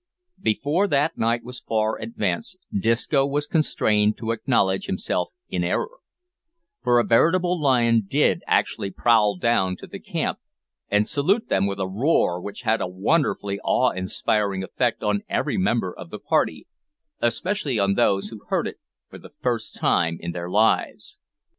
Before that night was far advanced, Disco was constrained to acknowledge himself in error, for a veritable lion did actually prowl down to the camp, and salute them with a roar which had a wonderfully awe inspiring effect on every member of the party, especially on those who heard it for the first time in their lives.